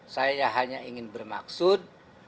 saya hanya ingin bermaksud